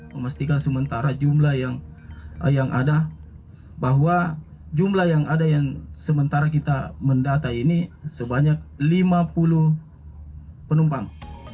memastikan sementara jumlah yang ada bahwa jumlah yang ada yang sementara kita mendata ini sebanyak lima puluh penumpang